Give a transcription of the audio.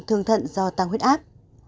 tổn thương thận do tăng huyết áp